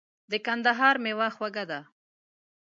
د کندهار مېوه خوږه ده .